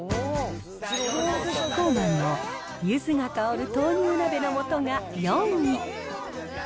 キッコーマンのゆずが香る豆乳鍋のもとが４位。